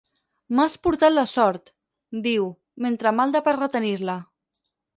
M'has portat la sort —diu, mentre malda per retenir-la.